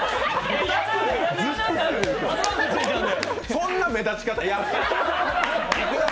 そんな目立ち方やだ。